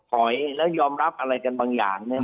ถอยแล้วยอมรับอะไรกันบางอย่างเนี่ย